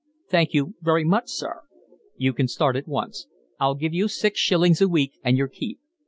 "Thank you very much, sir." "You can start at once. I'll give you six shillings a week and your keep.